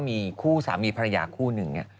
มีคู่สามีภรรยาคู่หนึ่ง